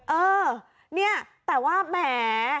เออเนี่ยแต่ว่าแหม